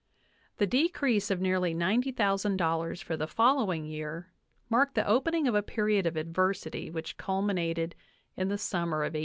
The decrease of nearly $90,000 for the following year marked the opening of a period of adversity which culminated in the summer of 1892.